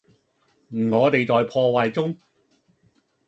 我地在破壞中